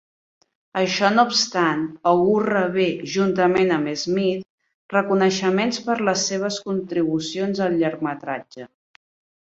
Això no obstant, August rebé, juntament amb Smith, reconeixement per les seves contribucions al llargmetratge.